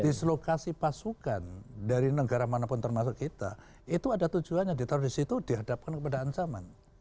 dislokasi pasukan dari negara manapun termasuk kita itu ada tujuannya ditaruh di situ dihadapkan kepada ancaman